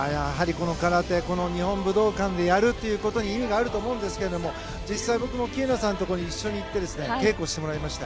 空手、日本武道館でやることに意味があると思うんですが実際に僕も喜友名さんのところに行って稽古してもらいました。